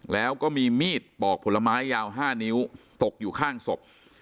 แล้วก็มีมีดปอกผลไม้ยาว๕นิ้วตกอยู่ข้างศพ